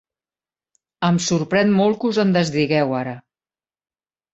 Em sorprèn molt que us en desdigueu, ara.